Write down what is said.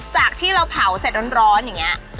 จากที่เราเผาเสร็จร้อนอย่างนี้